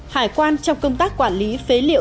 hải quan trong công tác quản lý phế liệu